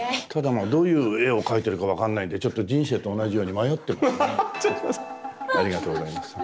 あどういう絵を描いてるか分かんないんでちょっと人生と同じように迷ってますね。